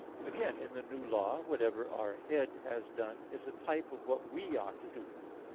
Again, in the New Law, whatever our Head has done is a type of what we ought to do.